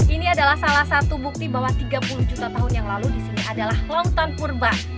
ini adalah salah satu bukti bahwa tiga puluh juta tahun yang lalu di sini adalah lautan purba